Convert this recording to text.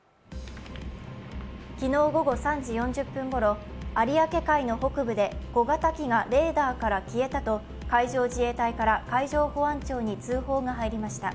昨日午後３時４０分ごろ、有明海の北部で小型機がレーダーから消えたと海上自衛隊から海上保安庁に通報が入りました。